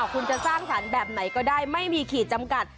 คุณจะสร้างสรรค์แบบไหนก็ได้ไม่มีขีดจำกัด